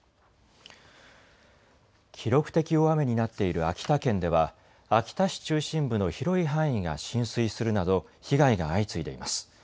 記録的大雨になっている秋田県では秋田市中心部の広い範囲が浸水するなど被害が相次いでいます。